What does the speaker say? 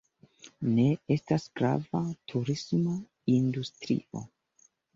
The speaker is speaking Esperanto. Ne estas grava turisma industrio.